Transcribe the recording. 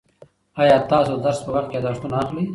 آیا تاسو د درس په وخت کې یادښتونه اخلئ؟